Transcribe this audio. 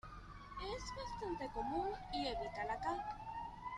Es bastante común y evita la cal.